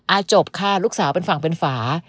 จบค่ะลูกสาวเป็นฝั่งเป็นฝา